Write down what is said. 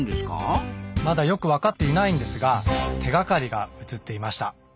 まだよくわかっていないんですが手がかりが写っていました。